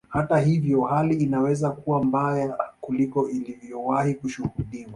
Hata ivyo hali inaweza kuwa mbaya kuliko ilivyowahi kushuhudiwa